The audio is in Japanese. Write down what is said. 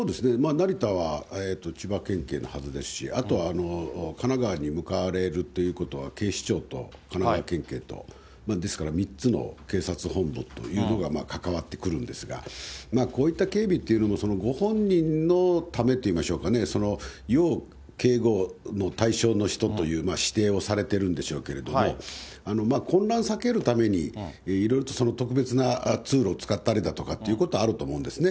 成田は千葉県警のはずですし、あと、神奈川に向かわれるということは、警視庁と神奈川県警と、ですから３つの警察本部というのが関わってくるんですが、こういった警備っていうのも、ご本人のためといいましょうかね、要警護の対象の人という指定をされてるんでしょうけれども、混乱を避けるために、いろいろと特別な通路を使ったりだとかいうことはあると思うんですね。